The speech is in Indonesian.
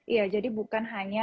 iya jadi bukan hanya